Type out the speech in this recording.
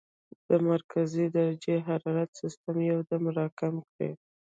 د مرکزي درجه حرارت سسټم يو دم را کم کړي -